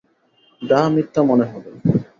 ডাহা মিথ্যা মনে হবে।